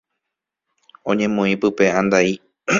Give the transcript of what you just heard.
Oñemoĩ pype andai.